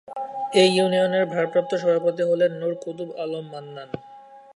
এই ইউনিয়নের ভারপ্রাপ্ত সভাপতি হলেন নূর কুতুব আলম মান্নান।